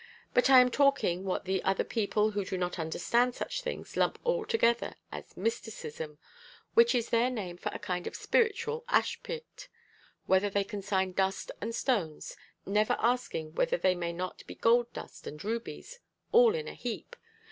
But I am talking what the people who do not understand such things lump all together as mysticism, which is their name for a kind of spiritual ash pit, whither they consign dust and stones, never asking whether they may not be gold dust and rubies, all in a heap.